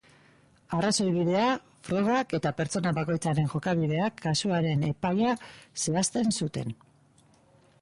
Arrazoibidea, frogak eta pertsona bakoitzaren jokabideak kasuaren epaia zehazten zuten.